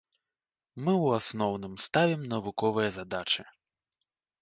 Мы ў асноўным ставім навуковыя задачы.